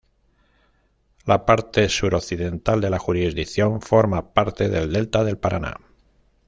La parte suroccidental de la jurisdicción forma parte del delta del Paraná.